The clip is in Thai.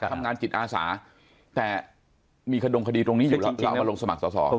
ทำงานจิตอาสาแต่มีขดงคดีตรงนี้อยู่แล้วคือเรามาลงสมัครสอสอ